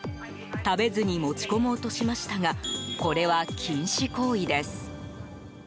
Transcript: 食べずに持ち込もうとしましたがこれは禁止行為です。